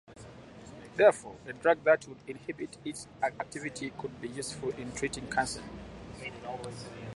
Therefore, a drug that would inhibit its activity could be useful in treating cancer.